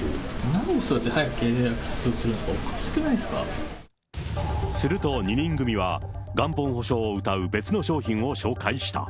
なんでそうやって早く契約させようとするんですか、おかしくすると、２人組は元本保証をうたう別の商品を紹介した。